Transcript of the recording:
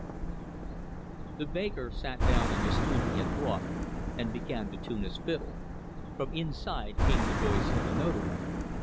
'" The baker sat down on a stool he had brought, and began to tune his fiddle. From inside came the voice of the Notary.